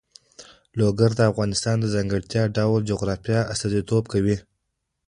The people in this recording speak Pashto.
لوگر د افغانستان د ځانګړي ډول جغرافیه استازیتوب کوي.